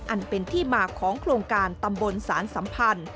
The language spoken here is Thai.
อันเป็นที่มาของโครงการตำบลสารสัมพันธ์